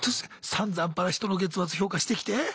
さんざんぱら人の月末評価してきて。